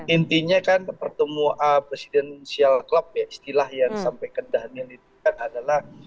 intinya kan pertemuan presidential club ya istilah yang disampaikan daniel itu kan adalah